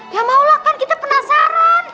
ya maulah kan kita penasaran